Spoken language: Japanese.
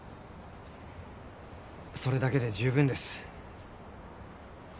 それだけで十分です